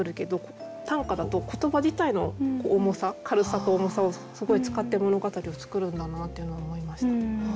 短歌だと言葉自体の「重さ」「軽さ」と「重さ」をすごい使って物語を作るんだなっていうのを思いました。